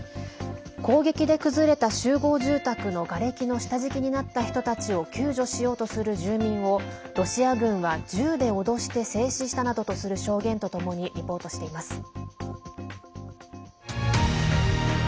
攻撃で崩れた集合住宅のがれきの下敷きになった人たちを救助しようとする住民をロシア軍は銃で脅して静止したなどとする証言とともにリポートしています。